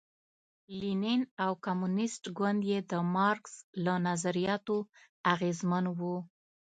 لینین او کمونېست ګوند یې د مارکس له نظریاتو اغېزمن و.